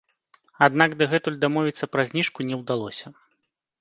Аднак дагэтуль дамовіцца пра зніжку не ўдалося.